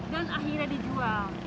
dan akhirnya dijual